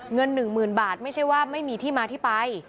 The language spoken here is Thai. เงิน๑๐๐๐บาทไม่ใช่ว่าไม่มีที่มาที่ไป